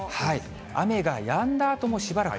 雨がやんだあとも、しばらく